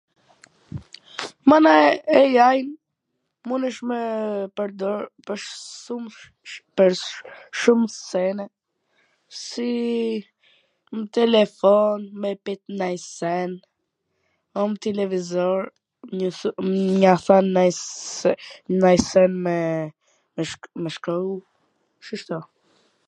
Mana, eiai-n munesh me e pwrdor pwr shum pwr shum sene, si n telefon, me e pyt nonj send, o n televizor me ia thwn nanj send me shkru, shishto.